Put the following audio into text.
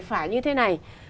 phải như thế này